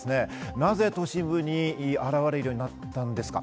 なぜ都心部に現れるようになったんでしょうか、。